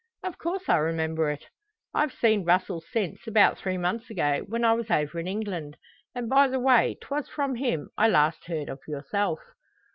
"Of course I remember it." "I've seen Russel since; about three months ago, when I was over in England. And by the way, 'twas from him I last heard of yourself."